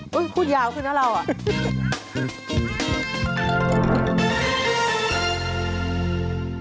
สวัสดีค่ะคุณยาวขึ้นแล้วเรา